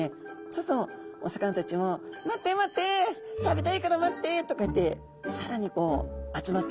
そうするとお魚たちも「待って待って食べたいから待って」とこうやってさらにこう集まって。